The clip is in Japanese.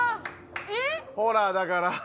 ほらだから。